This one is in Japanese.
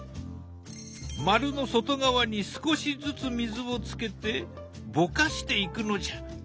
丸の外側に少しずつ水をつけてぼかしていくのじゃ。